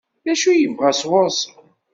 D acu i yebɣa sɣur-sen?